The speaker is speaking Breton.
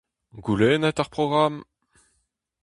Goulennit ar programm !